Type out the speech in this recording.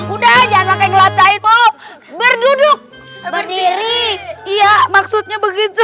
udah jangan ngelakain polo berduduk berdiri iya maksudnya begitu